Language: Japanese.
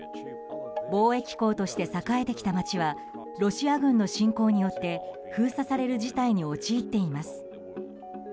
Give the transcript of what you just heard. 貿易港として栄えてきた街はロシア軍の侵攻によって封鎖される事態に陥っています。